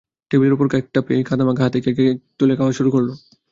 টেবিলের ওপর কেকটা পেয়েই কাদামাখা হাতে কেক তুলে খাওয়া শুরু করল।